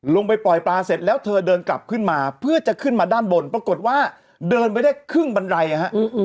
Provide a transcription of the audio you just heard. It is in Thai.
ลงไปปล่อยปลาเสร็จแล้วเธอเดินกลับขึ้นมาเพื่อจะขึ้นมาด้านบนปรากฏว่าเดินไปได้ครึ่งบันไดนะฮะ